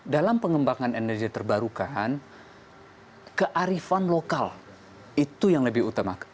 dalam pengembangan energi terbarukan kearifan lokal itu yang lebih utama